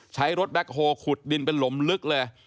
ใช้รถแบ็คโฮลขุดดินเป็นหลุมลึกเลย